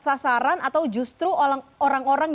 sasaran atau justru orang orang